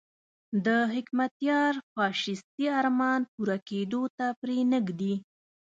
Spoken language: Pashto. د حکمتیار فاشیستي ارمان پوره کېدو ته پرې نه ږدي.